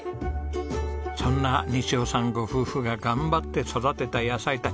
そんな西尾さんご夫婦が頑張って育てた野菜たち。